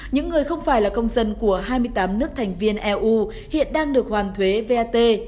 những người không phải là công dân của hai mươi tám nước thành viên eu hiện đang được hoàn thuế vat